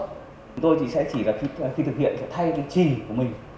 chúng tôi thì sẽ chỉ là khi thực hiện sẽ thay cái trì của mình